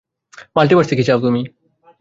মাল্টিভার্সে কী চাও তুমি?